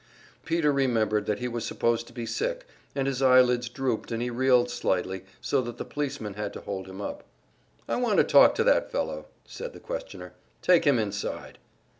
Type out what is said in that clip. Peter remembered that he was supposed to be sick, and his eyelids drooped and he reeled slightly, so that the policemen had to hold him up. "I want to talk to that fellow," said the questioner. "Take him inside."